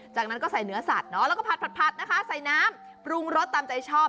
จากนั้นก็ใส่เนื้อสัตว์แล้วก็ผัดนะคะใส่น้ำปรุงรสตามใจชอบ